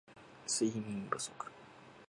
睡眠不足